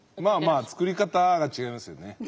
まあまあ作り方が違いますよね。